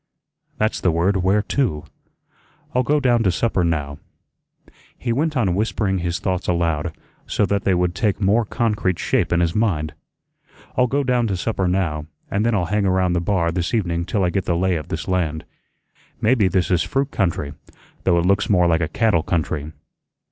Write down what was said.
That's the word, where to? I'll go down to supper now" He went on whispering his thoughts aloud, so that they would take more concrete shape in his mind "I'll go down to supper now, an' then I'll hang aroun' the bar this evening till I get the lay of this land. Maybe this is fruit country, though it looks more like a cattle country.